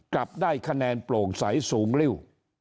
กลับได้คะแนนโปร่งใสสูงริ้ว